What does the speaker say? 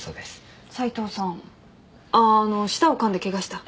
あっあの舌をかんでケガした？